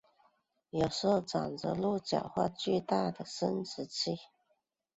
有时会长着鹿角或巨大的生殖器。